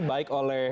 baik oleh lrt